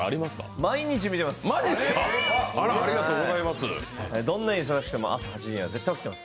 毎日見てます。